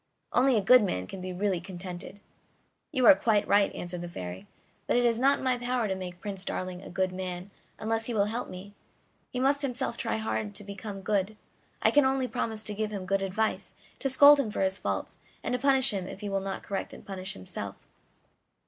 Only a good man can be really contented." "You are quite right," answered the Fairy; "but it is not in my power to make Prince Darling a good man unless he will help me; he must himself try hard to become good, I can only promise to give him good advice, to scold him for his faults, and to punish him if he will not correct and punish himself."